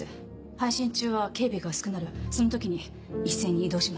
配信中は警備が薄くなるその時に一斉に移動します。